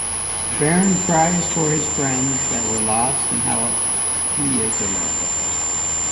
Baron cries for his friends that were lost and how he is alone.